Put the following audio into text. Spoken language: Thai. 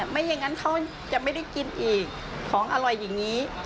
ไม่อย่างนั้นเขาจะไม่ได้กินอีกของอร่อยอย่างนี้